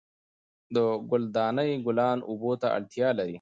د ګل دانۍ ګلان اوبو ته اړتیا لري.